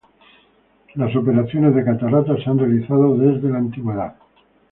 Las operaciones de cataratas se han realizado desde la Antigüedad.